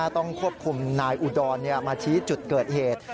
ต้องควบคุมนายอุดรมาชี้จุดเกิดเหตุ